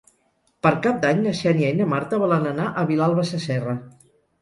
Per Cap d'Any na Xènia i na Marta volen anar a Vilalba Sasserra.